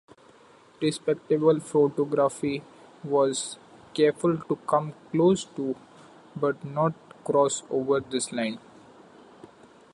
"Respectable" photography was careful to come close to, but not cross over, this line.